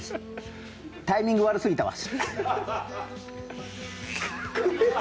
タイミング悪すぎたわ。